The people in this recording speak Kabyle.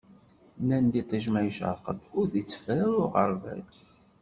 Nnan iṭij ma icreq-d, ur t-iteffer ara uɣerbal.